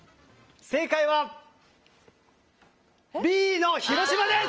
正解は、Ｂの広島です！